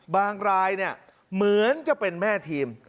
บางรายเหมือนจะเป็นแม่ทีม